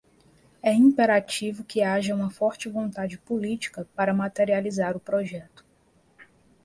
É imperativo que haja uma forte vontade política para materializar o projeto.